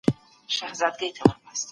بیا کلمې جوړول زده کړئ.